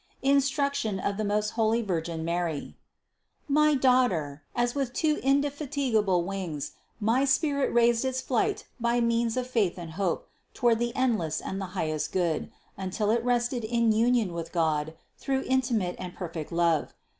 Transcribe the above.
INSTRUCTION OF THE MOST HOLY VIRGIN MARY. 513. My daughter, as with two indefatigable wings, my spirit raised its flight by means of faith and hope toward the endless and the highest good, until it rested in union with God through intimate and perfect love.